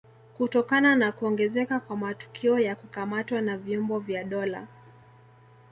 Kutokana na kuongezeka kwa matukio ya kukamatwa na vyombo vya dola